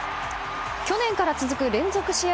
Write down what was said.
去年から続く連続試合